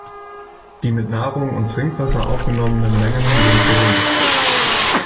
Die mit Nahrung und Trinkwasser aufgenommenen Mengen sind gering.